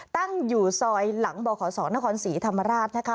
ตั้งอยู่ซอยหลังบขศนครศรีธรรมราชนะคะ